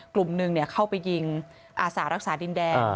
กลุ่มหนึ่งเข้าไปยิงอาสารักษาดินแดน